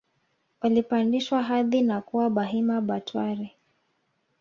walipandishwa hadhi na kuwa Bahima Batware